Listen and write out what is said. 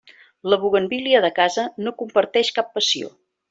La buguenvíl·lia de casa no comparteix cap passió.